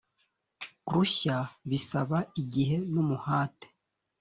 rushya bisaba igihe n umuhate